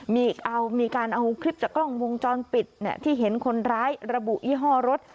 มีการเอาคลิปจากกล้องวงจรปิดที่เห็นคนร้ายระบุยี่ห้อรถ